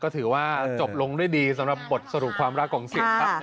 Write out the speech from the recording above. ก็ถือว่าจบลงด้วยดีสำหรับบทสรุปความรักของเสียงครับ